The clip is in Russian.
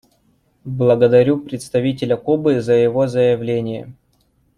Благодарю представителя Кубы за его заявление.